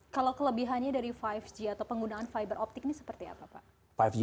kalau kelebihannya dari lima g atau penggunaan fiberoptik ini seperti apa pak